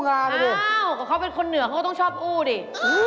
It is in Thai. อ้าวก็เขาเป็นคนเหงือกเขาต้องชอบอู้สิ